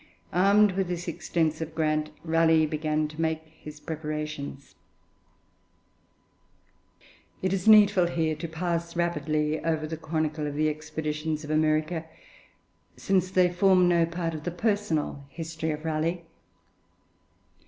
Armed with this extensive grant, Raleigh began to make his preparations. It is needful here to pass rapidly over the chronicle of the expeditions to America, since they form no part of the personal history of Raleigh.